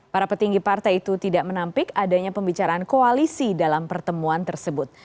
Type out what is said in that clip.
para petinggi partai itu tidak menampik adanya pembicaraan koalisi dalam pertemuan tersebut